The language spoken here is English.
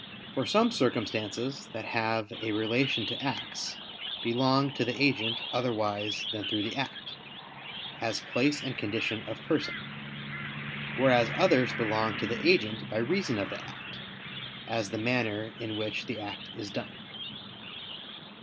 For some circumstances that have a relation to acts, belong to the agent otherwise than through the act; as place and condition of person; whereas others belong to the agent by reason of the act, as the manner in which the act is done.